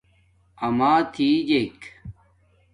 اماتھجک